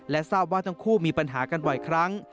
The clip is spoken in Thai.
ทราบว่าทั้งคู่มีปัญหากันบ่อยครั้ง